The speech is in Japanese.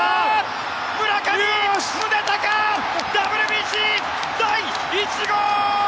村上宗隆、ＷＢＣ第１号！